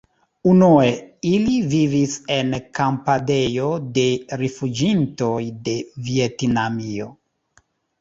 Unue ili vivis en kampadejo de rifuĝintoj de Vjetnamio.